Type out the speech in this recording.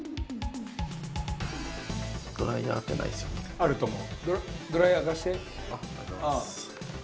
あると思う。